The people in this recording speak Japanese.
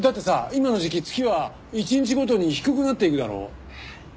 今の時期月は１日ごとに低くなっていくだろ？